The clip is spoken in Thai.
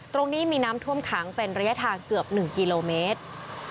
ตรงนี้มีน้ำท่วมขังเป็นระยะทางเกือบ๑กิโลเมตร